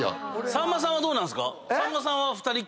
さんまさんはどうなんすか？